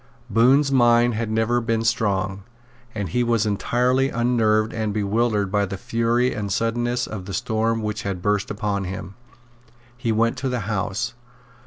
Bohun's mind had never been strong; and he was entirely unnerved and bewildered by the fury and suddenness of the storm which had burst upon him. He went to the House.